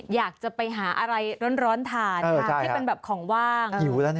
อยากจะไปหาอะไรร้อนทานที่เป็นแบบของว่าง